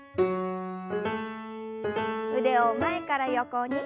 腕を前から横に。